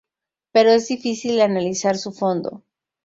Pero es difícil analizar su fondo.